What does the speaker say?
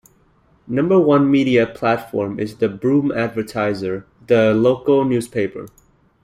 Number one media platform is the "Broome Advertiser", the local newspaper.